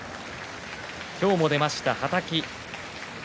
今日も出ました、はたき。